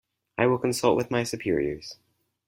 I will consult with my superiors.